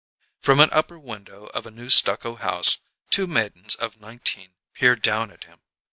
From an upper window of a new stucco house two maidens of nineteen peered down at him.